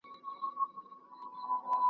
زمري ولیدی مېلمه چي غوښي نه خوري .